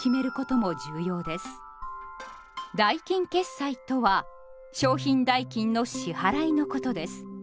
「代金決済」とは商品代金の支払いのことです。